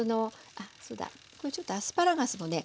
ちょっとアスパラガスもね